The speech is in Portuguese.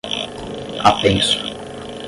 apenso